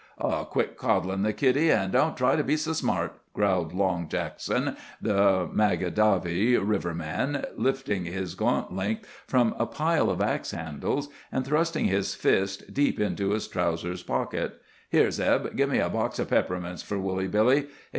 "Oh, quit coddin' the kiddie, an' don't try to be so smart," growled Long Jackson, the Magadavy river man, lifting his gaunt length from a pile of axe handles, and thrusting his fist deep into his trousers' pocket. "Here, Zeb, give me a box of peppermints for Woolly Billy.